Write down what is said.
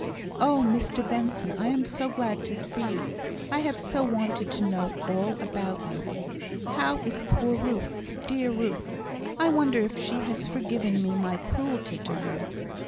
"Oh, Mr Benson, I am so glad to see you! I have so wanted to know all about you! How is poor Ruth? dear Ruth! I wonder if she has forgiven me my cruelty to her?